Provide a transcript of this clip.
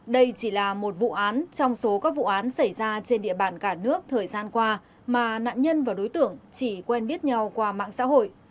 đây chỉ là một vụ án trong số các vụ án xảy ra trên địa bàn cả nước thời gian qua mà nạn nhân và đối tượng chỉ quen biết nhau qua mạng xã hội